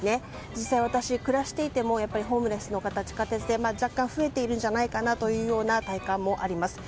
実際、私も、暮らしていてもホームレスの方が地下鉄で若干増えているんじゃないかなというような体感もあります。